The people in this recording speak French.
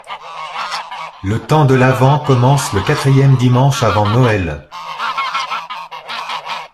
Le temps de l'Avent commence le quatrième dimanche avant Noël.